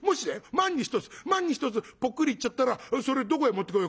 万に一つ万に一つぽっくりいっちゃったらそれどこへ持ってこようか。